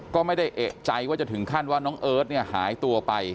ก็ไม่ได้เอกใจว่าจะถึงขั้นว่าน้องเอิร์ทเนี่ยหายตัวไป